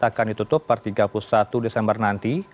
akan ditutup per tiga puluh satu desember nanti